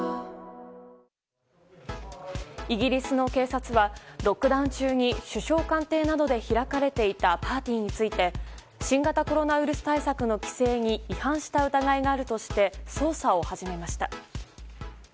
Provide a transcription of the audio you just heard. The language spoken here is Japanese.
イギリスの警察はロックダウン中に首相官邸などで開かれていたパーティーについて新型コロナウイルス対策の規制に違反した疑いがあるとして捜査を始めました。